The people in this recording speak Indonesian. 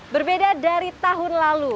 berbeda dari tahun lalu